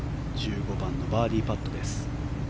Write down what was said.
１５番のバーディーパットです。